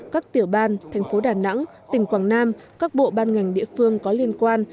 các tiểu ban thành phố đà nẵng tỉnh quảng nam các bộ ban ngành địa phương có liên quan